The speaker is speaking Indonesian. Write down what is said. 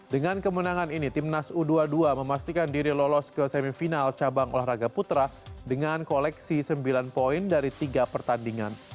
dengan kemenangan ini timnas u dua puluh dua memastikan diri lolos ke semifinal cabang olahraga putra dengan koleksi sembilan poin dari tiga pertandingan